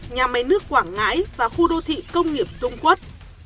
nhà máy nước quảng ngãi và khu đô thị công nghiệp dung quất